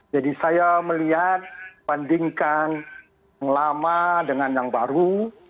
saya melihat bandingkan yang lama dengan yang baru